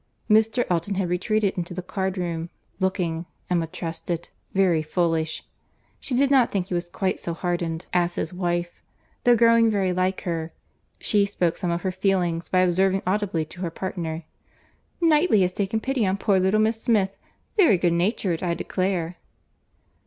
Mr. Elton had retreated into the card room, looking (Emma trusted) very foolish. She did not think he was quite so hardened as his wife, though growing very like her;—she spoke some of her feelings, by observing audibly to her partner, "Knightley has taken pity on poor little Miss Smith!—Very good natured, I declare."